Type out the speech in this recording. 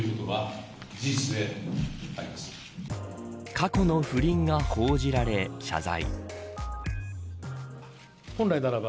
過去の不倫が報じられ謝罪。